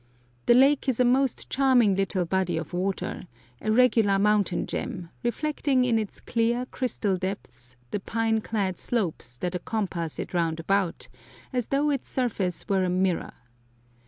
The lake is a most charming little body of water, a regular mountain gem, reflecting in its clear, crystal depths the pine clad slopes that encompass it round about, as though its surface were a mirror.